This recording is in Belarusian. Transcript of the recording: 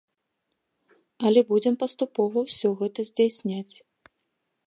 Але будзем паступова ўсё гэта здзяйсняць.